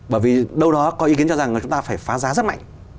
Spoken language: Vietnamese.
bởi vì đâu đó có ý kiến cho rằng là chúng ta phải phá giá rất mạnh